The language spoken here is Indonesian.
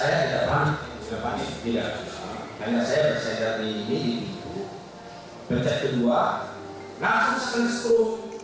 karena saya bersedari ini berjaya kedua langsung sepenuh penuh